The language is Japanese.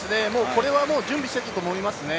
準備していたと思います。